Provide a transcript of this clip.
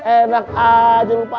enak aja lupa